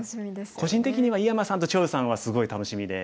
個人的には井山さんと張栩さんはすごい楽しみで。